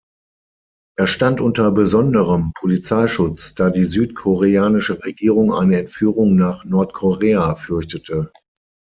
Er stand unter besonderem Polizeischutz, da die südkoreanische Regierung eine Entführung nach Nordkorea fürchtete.